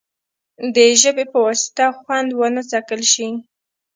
د ژبې په واسطه خوند ونه څکل شي.